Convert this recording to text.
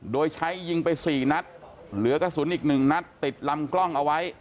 โดยใช้ยิงไปสี่นัดเหลือกระสุนอีกหนึ่งนัดติดลำกล้องเอาไว้